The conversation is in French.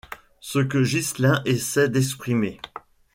Ce que Ghislain essaie d'exprimer.